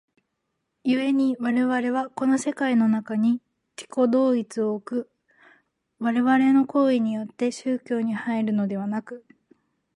故に我々はこの世界の中に自己同一を置く我々の行為によって宗教に入るのでなく、